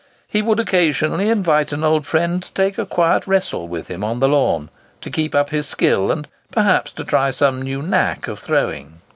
He would occasionally invite an old friend to take a quiet wrestle with him on the lawn, to keep up his skill, and perhaps to try some new "knack" of throwing.